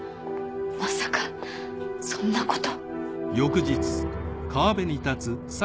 まさかそんなこと